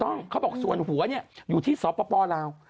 ถูกต้องเขาบอกส่วนหัวอยู่ที่สปลาว